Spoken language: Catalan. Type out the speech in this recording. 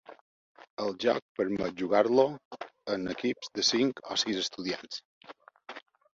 El joc permet jugar-lo en equips de cinc o sis estudiants.